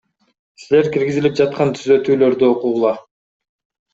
Силер киргизилип жаткан түзөтүүлөрдү окугула.